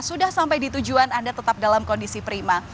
sudah sampai di tujuan anda tetap dalam kondisi prima